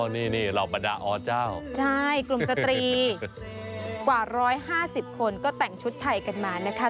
นี่เหล่าบรรดาอเจ้ากลุ่มสตรีกว่า๑๕๐คนก็แต่งชุดไทยกันมานะคะ